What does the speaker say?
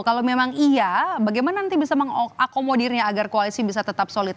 kalau memang iya bagaimana nanti bisa mengakomodirnya agar koalisi bisa tetap solid